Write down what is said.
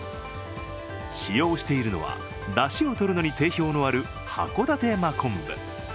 使用しているのはだしをとるのに定評のある函館真昆布。